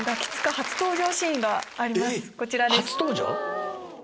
初登場⁉